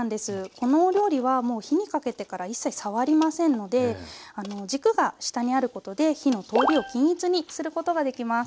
このお料理はもう火にかけてから一切触りませんので軸が下にあることで火の通りを均一にすることができます。